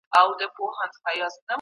ژوند د خدای یو نعمت دی.